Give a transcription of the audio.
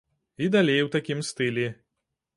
І далей у такім стылі.